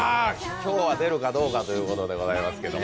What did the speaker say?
今日は出るかどうかということでございますけど。